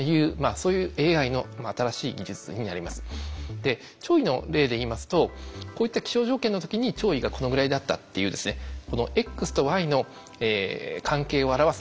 で潮位の例で言いますとこういった気象条件の時に潮位がこのぐらいだったっていうですねうん。